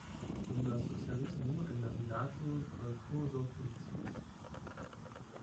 Dum la socialismo en la vilaĝo kolĥozo funkciis.